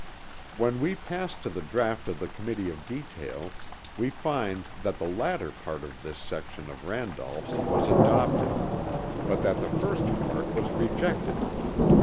When we pass to the draught of the Committee of Detail we find that the latter part of this section of Randolph's was adopted, but that the first part was rejected.